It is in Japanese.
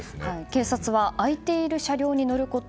警察は空いている車両に乗ること